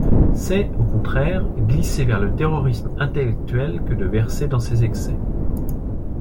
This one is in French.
C’est, au contraire, glisser vers le terrorisme intellectuel que de verser dans ces excès.